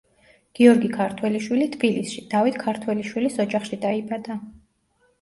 გიორგი ქართველიშვილი თბილისში, დავით ქართველიშვილის ოჯახში, დაიბადა.